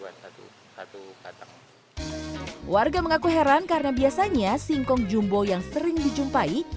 dua puluh an satu satu warga mengaku heran karena biasanya singkong jumbo yang sering dijumpai